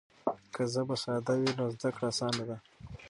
که ژبه ساده وي نو زده کړه اسانه ده.